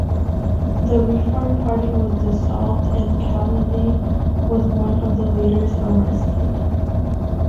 The Reform Party was dissolved and Khalidi was one of the leaders arrested.